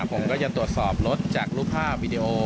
ผมก็จะตรวจสอบรถจากรูปภาพวิดีโอ